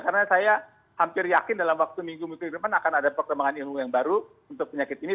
karena saya hampir yakin dalam waktu minggu minggu depan akan ada perkembangan ilmu yang baru untuk penyakit ini